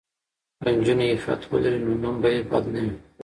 که نجونې عفت ولري نو نوم به یې بد نه وي.